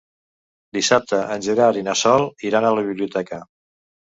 Dissabte en Gerard i na Sol iran a la biblioteca.